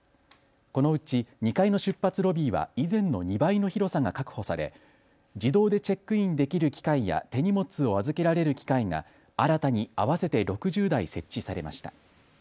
このうち２階の出発ロビーは以前の２倍の広さが確保され自動でチェックインできる機械や手荷物を預けられる機械が新たに合わせて６０台設置されました。